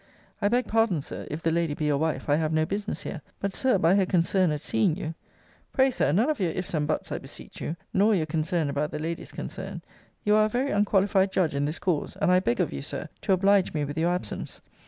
I beg pardon, Sir; if the lady be your wife, I have no business here. But, Sir, by her concern at seeing you Pray, Sir, none of your if's and but's, I beseech you: nor your concern about the lady's concern. You are a very unqualified judge in this cause; and I beg of you, Sir, to oblige me with your absence.